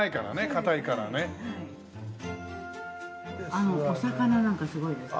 あのお魚なんかすごいですよ。